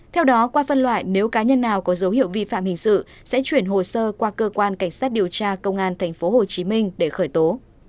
theo đó qua phân loại nếu cá nhân nào có dấu hiệu vi phạm hình sự sẽ chuyển hồ sơ qua cơ quan cảnh sát điều tra công an tp hcm để khởi tố